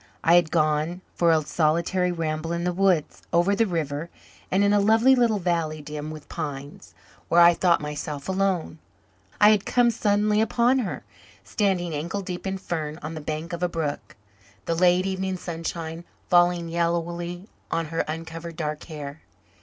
I had gone for a solitary ramble in the woods over the river and, in a lonely little valley dim with pines, where I thought myself alone, I had come suddenly upon her, standing ankle deep in fern on the bank of a brook, the late evening sunshine falling yellowly on her uncovered dark hair.